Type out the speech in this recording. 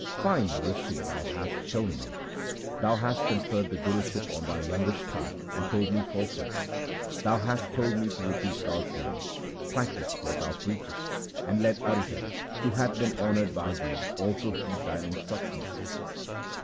' Fine mercy thou hast shown me ! Thou hast conferred the Guruship on thy youngest son and told me falsehoods. Thou hast told me to repeat God's name. Practise what thou preachest, and let Arjan, who hath been honoured by thee, also heed thine instructions.'